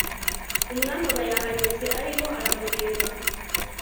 umwami aba yahageze ariho aramureba